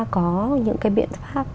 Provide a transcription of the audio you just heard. có những biện pháp